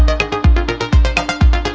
jangan jangan ini punya ricky